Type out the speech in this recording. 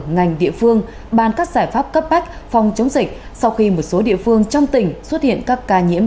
ngành địa phương bàn các giải pháp cấp bách phòng chống dịch sau khi một số địa phương trong tỉnh xuất hiện các ca nhiễm